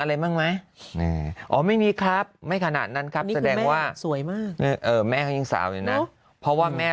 อะไรบ้างไหมอ๋อไม่มีครับไม่ขนาดนั้นครับแสดงว่าสวยมากแม่เขายังสาวอยู่นะเพราะว่าแม่